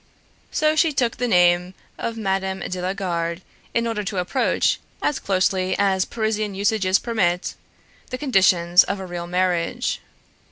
So she took the name of Mme. de la Garde, in order to approach, as closely as Parisian usages permit, the conditions of a real marriage.